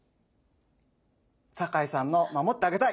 坂井さんの「守ってあげたい」。